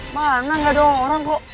mana gak ada orang kok